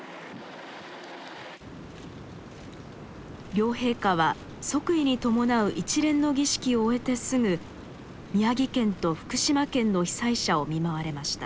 両陛下は即位に伴う一連の儀式を終えてすぐ宮城県と福島県の被災者を見舞われました。